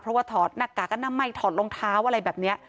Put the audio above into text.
เพราะว่าถอดหน้ากากอนามัยถอดรองเท้าอะไรแบบนี้